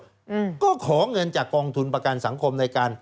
อืมก็ขอเงินจากกองทุนประกันสังคมในการ